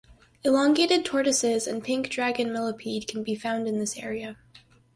Elongated tortoises and pink dragon millipede can be found in this area.